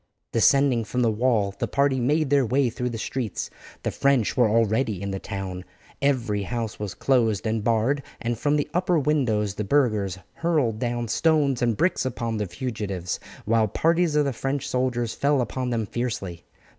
Descending from the wall the party made their way through the streets. The French were already in the town; every house was closed and barred, and from the upper windows the burghers hurled down stones and bricks upon the fugitives, while parties of the French soldiers fell upon them fiercely.